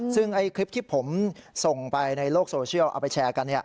ซึ่งคลิปที่ผมส่งไปในโลกโซเชียลเอาไปแชร์กัน